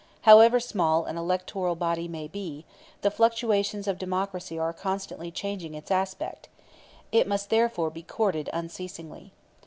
However small an electoral body may be, the fluctuations of democracy are constantly changing its aspect; it must, therefore, be courted unceasingly.